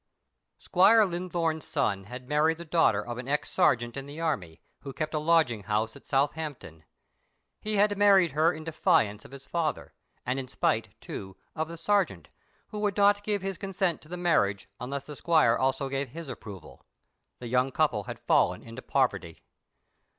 "* [Squire Linthorne's son had married the daughter of an ex sergeant in the army, who kept a lodging house at Southampton. He had married her in defiance of his father, and in spite too of the sergeant, who would not give his consent to the marriage unless the squire also gave his approval. The young couple had fallen into poverty.